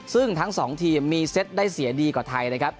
ซึ่งทั้งสองทีมมีเซตได้เสียดีกว่าไทยนะครับ